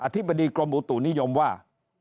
ธิบดีกรมอุตุนิยมว่า